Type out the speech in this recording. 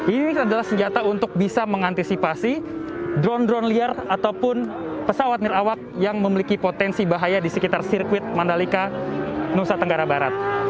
ini adalah senjata untuk bisa mengantisipasi drone drone liar ataupun pesawat nirawak yang memiliki potensi bahaya di sekitar sirkuit mandalika nusa tenggara barat